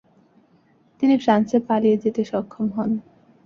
তিনি ফ্রান্সে পালিয়ে যেতে সক্ষম হন।